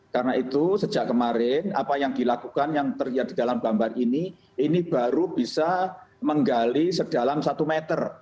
karena itu sejak kemarin apa yang dilakukan yang terlihat di dalam bambar ini ini baru bisa menggali sedalam satu meter